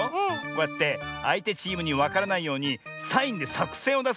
こうやってあいてチームにわからないようにサインでさくせんをだすんだね。